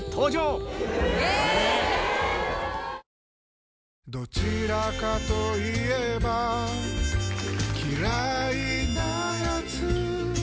この後どちらかと言えば嫌いなやつ